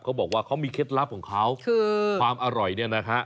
เขาบอกว่าเขามีเคล็ดลับของเขาคือความอร่อยเนี่ยนะฮะ